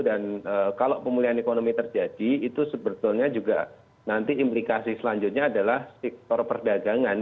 dan kalau pemulihan ekonomi terjadi itu sebetulnya juga nanti implikasi selanjutnya adalah sektor perdagangan